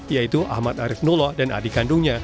yaitu ahmad arif nullah dan adik kandungnya